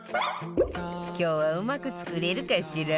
今日はうまく作れるかしら？